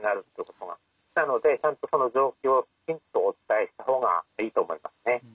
なのでちゃんとその状況をきちんとお伝えした方がいいと思いますね。